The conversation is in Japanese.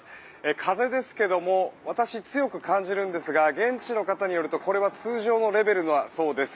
風ですが私、強く感じるんですが現地の方によるとこれは通常のレベルだそうです。